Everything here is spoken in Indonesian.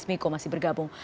pak miko masih bergabung